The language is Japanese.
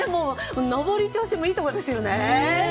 上り調子もいいところですよね！